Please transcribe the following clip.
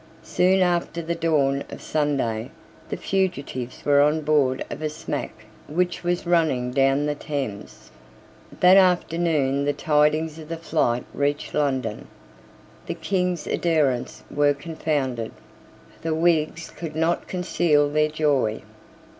Soon after the dawn of Sunday the fugitives were on board of a smack which was running down the Thames. That afternoon the tidings of the flight reached London. The King's adherents were confounded. The Whigs could not conceal their joy.